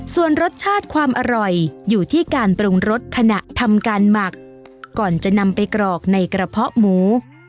ส่วนรสชาติความอร่อยอยู่ที่การปรุงรสขณะทำการหมักก่อนจะนำไปกรอกในกระเพาะหมู